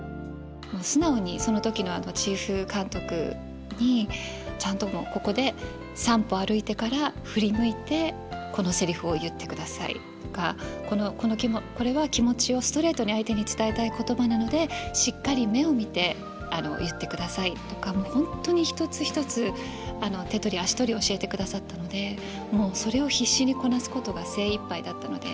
もう素直にその時のチーフ監督にちゃんともう「ここで３歩歩いてから振り向いてこのセリフを言ってください」とか「これは気持ちをストレートに相手に伝えたい言葉なのでしっかり目を見て言ってください」とかもう本当に一つ一つ手取り足取り教えてくださったのでもうそれを必死にこなすことが精いっぱいだったので。